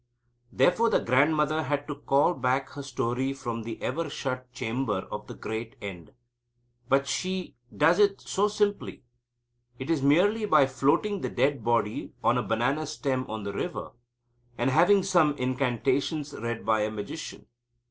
Therefore the grandmother had to call back her story from the ever shut chamber of the great End, but she does it so simply: it is merely by floating the dead body on a banana stem on the river, and having some incantations read by a magician.